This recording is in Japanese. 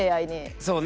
そうね